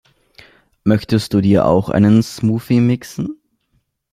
Möchtest du dir auch einen Smoothie mixen?